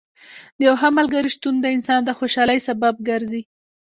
د یو ښه ملګري شتون د انسان د خوشحالۍ سبب ګرځي.